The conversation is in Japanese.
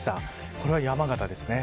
これは山形ですね。